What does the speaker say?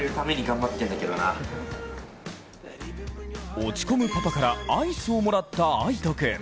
落ち込むパパから、アイスをもらった逢叶君。